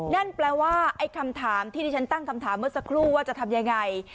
นั่นแปลว่าไอ้คำถามที่ที่ฉันตั้งคำถามเมื่อสักครู่ว่าจะทำยังไง